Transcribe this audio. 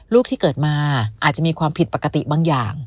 ลูกที่เกิดมาอาจจะมีความผิดปกติบางอย่าง